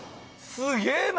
すげえな！